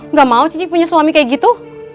nggak mau cici punya suami kayak gitu